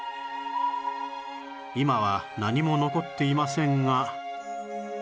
今は何も残っていませんが